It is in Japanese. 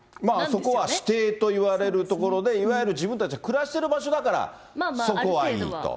そこは私邸といわれるところで、いわゆる自分たちが暮らしている場所だから、そこはいいと。